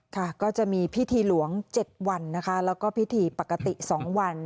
ค่ะก็จะมีพิธีหลวง๗วันนะคะแล้วก็พิธีปกติ๒วัน